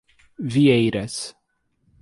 Vieiras